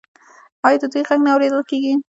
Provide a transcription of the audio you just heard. آیا د دوی غږ نه اوریدل کیږي؟